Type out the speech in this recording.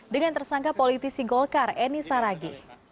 dengan tersangka politisi golkar eni saragih